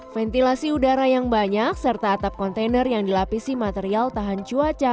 ventilasi udara yang banyak serta atap kontainer yang dilapisi material tahan cuaca